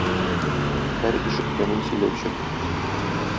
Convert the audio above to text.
һәр ишеткәнен сөйләүче.